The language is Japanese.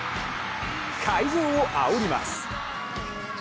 会場をあおります。